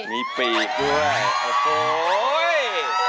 มีปีด้วย